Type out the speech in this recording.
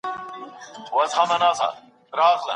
هغه مړ ږدن ډنډ ته نږدې ګاڼه.